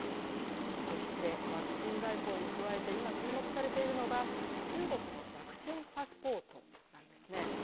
そして、ワクチン外交に加えて、今、注目されているのが、中国のワクチンパスポートなんですね。